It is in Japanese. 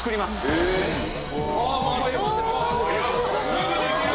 すぐできる！